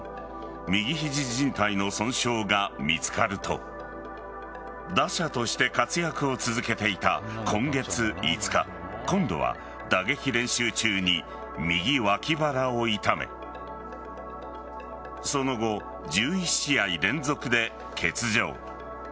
右肘靭帯の損傷が見つかると打者として活躍を続けていた今月５日今度は打撃練習中に右脇腹を痛めその後、１１試合連続で欠場。